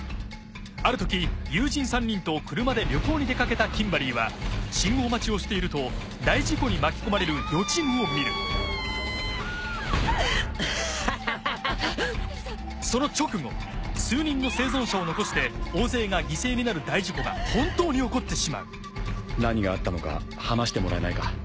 あるとき友人３人と車で旅行に出かけたキンバリーは信号待ちをしていると大事故に巻き込まれる予知夢を見るその直後数人の生存者を残して大勢が犠牲になる大事故が本当に起こってしまう何があったのか話してもらえないか？